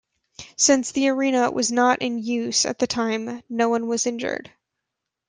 Since the Arena was not in use at the time, no one was injured.